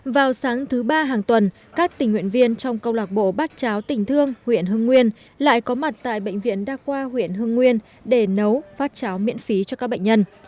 vào sáng thứ ba hàng tuần các tình nguyện viên trong câu lạc bộ bát cháo tỉnh thương huyện hưng nguyên lại có mặt tại bệnh viện đa khoa huyện hưng nguyên để nấu phát cháo miễn phí cho các bệnh nhân